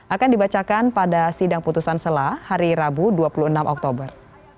akan dibacakan pada sidang putusan selah hari rabu dua puluh enam oktober